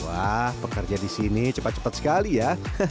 wah pekerja disini cepat cepat sekali ya